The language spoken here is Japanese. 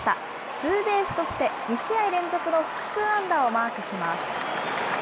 ツーベースとして、２試合連続の複数安打をマークします。